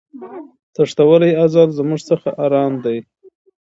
تښتولی ازل زموږ څخه آرام دی